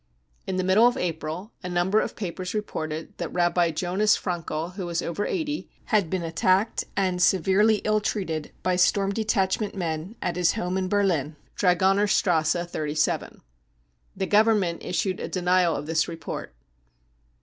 In the middle of April a number of papers reported that Rabbi Jonas Frankel, who is over 80, had been attacked and severely ill treated by Storm Detachment men at his home in Berlin, Dragonerstrasse 37. The Government issued a denial of this report.